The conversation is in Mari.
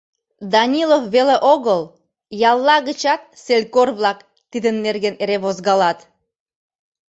Данилов веле огыл, ялла гычат селькор-влак тидын нерген эре возгалат.